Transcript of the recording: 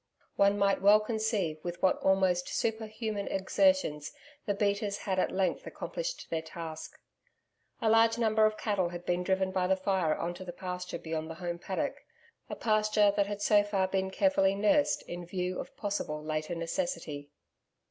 One might well conceive with what almost superhuman exertions the beaters had at length accomplished their task. A large number of cattle had been driven by the fire on to the pasture beyond the home paddock a pasture that had so far been carefully nursed in view of possible later necessity.